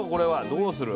どうする？